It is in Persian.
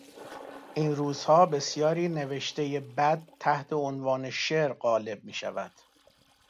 این روزها بسیاری نوشتهی بدتحت عنوان شعر قالب میشود.